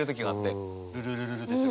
「ルルルルル」ですよ